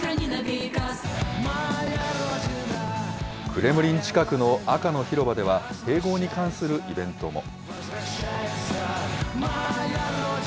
クレムリン近くの赤の広場では、併合に関するイベントも。